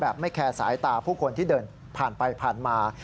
ไม่แคร์สายตาผู้คนที่เดินผ่านไปผ่านมา